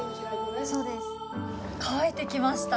乾いてきました。